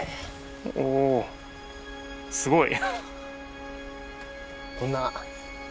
おすごい！